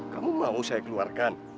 kamu mau saya keluarkan